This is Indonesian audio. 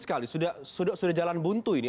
sekali sudah sudah sudah jalan buntu ini